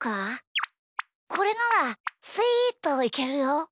これならスイっといけるよ！